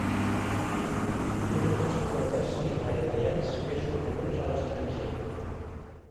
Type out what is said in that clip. És un dels poetes israelians més coneguts a l'estranger.